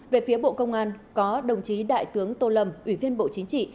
về phía bộ công an có đồng chí đại tướng tô lâm ủy viên bộ chính trị